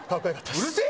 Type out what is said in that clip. うるせえ